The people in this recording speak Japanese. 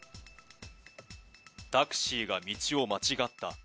タクシーが道を間違った。